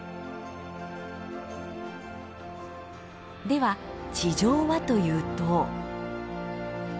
では地上はというと。